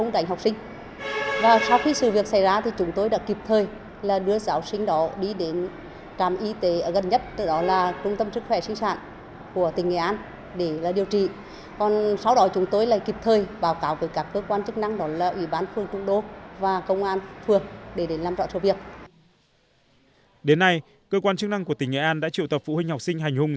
đến nay cơ quan chức năng của tỉnh nghệ an đã triệu tập phụ huynh học sinh hành hùng